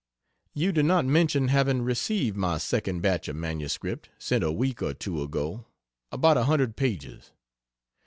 You do not mention having received my second batch of MS, sent a week or two ago about 100 pages.